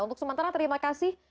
untuk sementara terima kasih